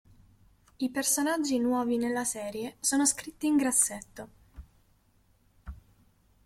I personaggi nuovi nella serie sono scritti in grassetto.